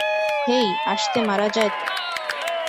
হেই, আসতে মারা যায় তো।